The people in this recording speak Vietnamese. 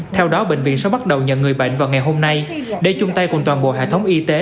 theo đó bệnh viện sẽ bắt đầu nhận người bệnh vào ngày hôm nay để chung tay cùng toàn bộ hệ thống y tế